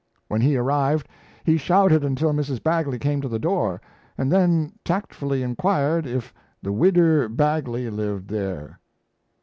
When he arrived, he shouted until Mrs. Bagley came to the door, and then tactfully inquired if the Widder Bagley lived there!